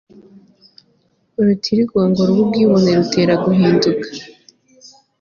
urutirigongo rwubwibone rutera guhinduka